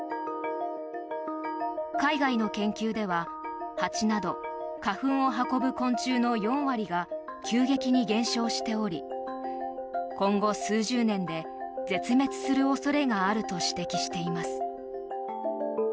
海外の研究では蜂など花粉を運ぶ昆虫の４割が急激に減少しており今後数十年で絶滅する恐れがあると指摘しています。